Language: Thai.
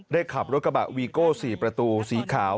ขับรถกระบะวีโก้๔ประตูสีขาว